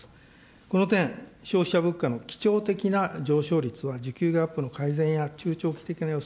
この点、消費者物価の起点的な上昇率は需給ギャップの改善や中長期的な予想